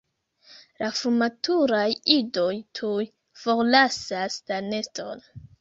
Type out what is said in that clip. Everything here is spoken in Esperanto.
La frumaturaj idoj tuj forlasas la neston.